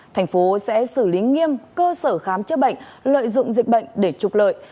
thành phố sẽ xử lý nghiêm cơ sở khám chữa bệnh lợi dụng dịch bệnh để trục lợi